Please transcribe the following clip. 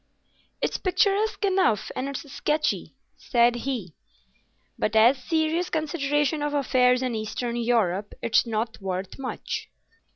"It's picturesque enough and it's sketchy," said he; "but as a serious consideration of affairs in Eastern Europe, it's not worth much."